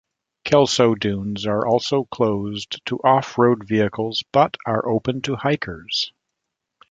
Kelso Dunes are closed to off-road vehicles, but are open to hikers.